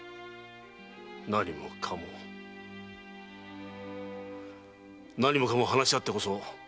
何もかも何もかも話し合ってこそ夫婦ではないか。